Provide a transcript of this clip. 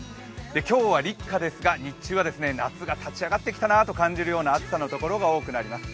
今日は立夏ですが、日中は夏が立ち上がってきたなという暑さのところがみられます。